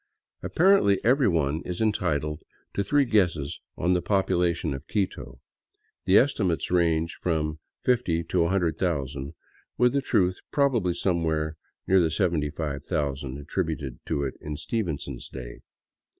Apparently every one is entitled to three guesses on the population of Quito. The estimates range from fifty to a hundred thousand, with the truth probably somewhere near the seventy five thousand attributed to it in Stevenson's day.